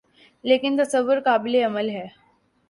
لیکن تصور قابلِعمل ہے